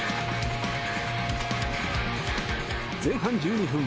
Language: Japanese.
前半１２分。